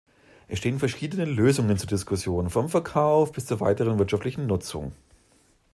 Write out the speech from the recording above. Es stehen verschiedene Lösungen zur Diskussion: vom Verkauf bis zur weiteren wirtschaftlichen Nutzung.